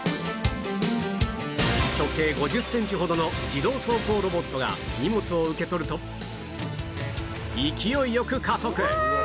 直径５０センチほどの自動走行ロボットが荷物を受け取ると勢いよく加速！